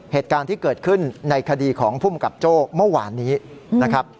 เหตุการณ์ที่เกิดขึ้นในคดีของภูมิกับโจ้เมื่อวานนี้นะครับ